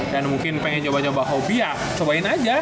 kalau kalian pengen coba coba hobi ya cobain aja